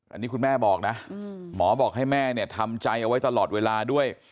อันนี้คุณแม่บอกนะหมอบอกให้แม่เนี่ยทำใจเอาไว้ตลอดเวลาด้วย